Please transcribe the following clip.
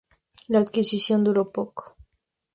La adquisición duró poco.